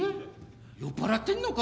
酔っぱらってんのか？